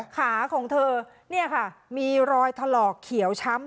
ขาของเธอเนี่ยค่ะมีรอยถลอกเขียวช้ำ